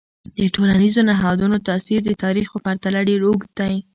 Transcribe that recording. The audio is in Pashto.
د ټولنیزو نهادونو تاثیر د تاریخ په پرتله ډیر اوږد دی.